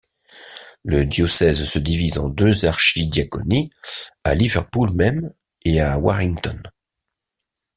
Le diocèse se divise en deux archidiaconés, à Liverpool même et à Warrington.